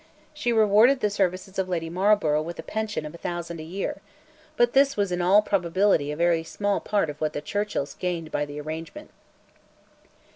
She rewarded the services of Lady Marlborough with a pension of a thousand a year; but this was in all probability a very small part of what the Churchills gained by the arrangement.